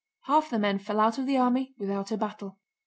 Half the men fell out of the army without a battle.